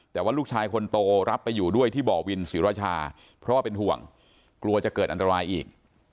แต่ว่าลูกชายคนโตรับไปอยู่ด้วยที่บ่อวินศรีราชาเพราะว่าเป็นห่วงกลัวจะเกิดอันตรายอีก